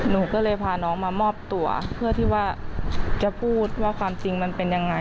หนูก็เลยพาน้องมามอบตัวเพื่อที่ว่าจะพูดว่าความจริงมันเป็นยังไง